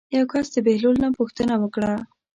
یو کس د بهلول نه پوښتنه وکړه.